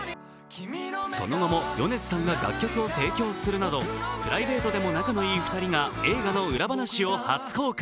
その後も米津さんが楽曲を提供するなど、プライベートでも仲のいい２人が映画の裏話を初公開。